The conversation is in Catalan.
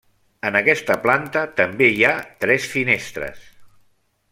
En aquesta planta també hi ha tres finestres.